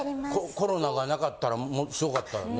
コロナがなかったらもうすごかったよね？